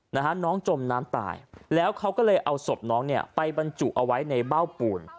นะฮะน้องจมน้ำตายแล้วเขาก็เลยเอาศพน้องเนี่ยไปบรรจุเอาไว้ในเบ้าปูน